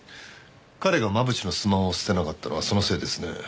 彼が真渕のスマホを捨てなかったのはそのせいですね。